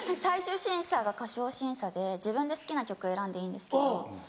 最終審査が歌唱審査で自分で好きな曲選んでいいんですけど。